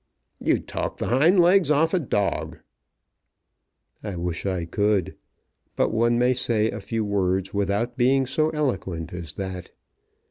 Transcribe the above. "You'd talk the hind legs off a dog." "I wish I could. But one may say a few words without being so eloquent as that.